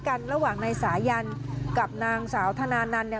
กันระหว่างในสายันกับนางสาวธนานันต์